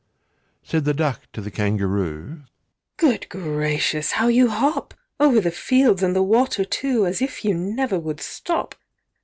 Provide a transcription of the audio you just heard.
Said the Duck to the Kangaroo, "Good gracious! how you hop! Over the fields and the water too, As if you never would stop!